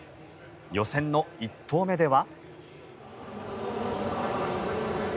予選の１投目では。